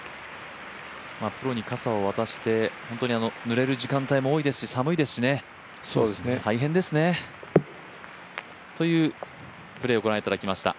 プロに傘を渡してぬれる時間帯も多いですし、寒いですしね、大変ですね。というプレーをご覧いただきました。